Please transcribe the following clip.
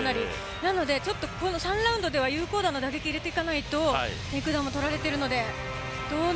なので３ラウンドでは有効打な打撃を入れないとテイクダウンも取られているので。